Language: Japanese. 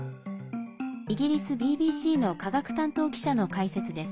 イギリスＢＢＣの科学担当記者の解説です。